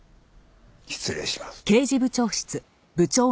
失礼します。